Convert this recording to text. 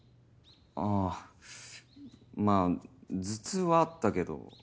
ああまあ頭痛はあったけど。